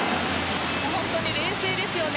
本当に冷静ですよね。